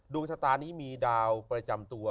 ดวงชะตานี้มีดาวประจำตัว